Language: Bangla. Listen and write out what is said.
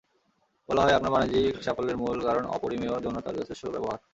বলা হয়, আপনার বাণিজ্যিক সাফল্যের মূল কারণ অপরিমেয় যৌনতার যথেচ্ছ ব্যবহার।